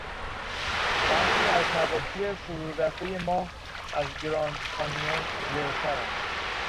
برخی از نواحی فرورفتهی ماه از گراندکانیون ژرفترند.